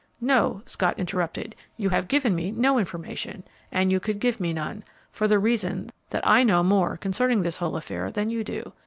"No," Scott interrupted, "you have given me no information, and you could give me none, for the reason that I know more concerning this whole affair than you do.